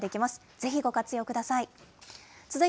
ぜひご活用ください。